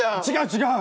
違う！